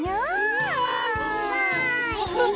えすごい！